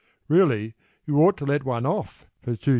Really you ought to let one off for 2s.